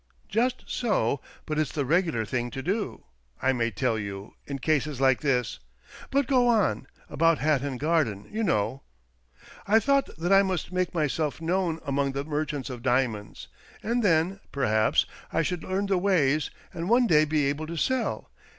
"Just so — but it's the regular thing to do, I may tell you, in cases like this. But go on. About Hatton Garden, you know." "I thought that I must make myself known among the merchants of diamonds, and then, perhaps, I should learn the ways, and one day be able to sell.